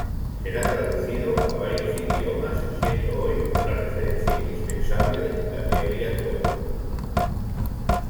Será traducido a varios idiomas, siendo hoy una referencia indispensable en la teoría queer.